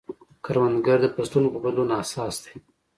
کروندګر د فصلونو په بدلون حساس دی